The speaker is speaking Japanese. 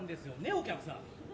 お客さん」。